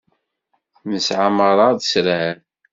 Nesεa merra lesrar.